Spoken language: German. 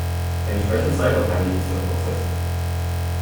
Entsprechend zeitaufwendig ist der Prozess.